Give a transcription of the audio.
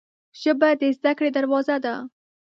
ژبه د زده کړې دروازه ده